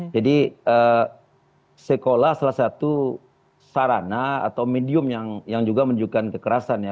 jadi sekolah salah satu sarana atau medium yang juga menunjukkan kekerasan ya